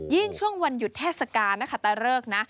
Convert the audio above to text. ยิ่งช่วงวันหยุดแทรศกาลตะเลิก